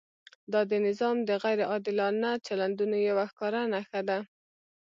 دا د نظام د غیر عادلانه چلندونو یوه ښکاره نښه ده.